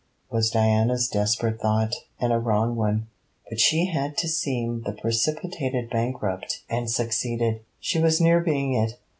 was Diana's desperate thought, and a wrong one; but she had to seem the precipitated bankrupt and succeeded. She was near being it.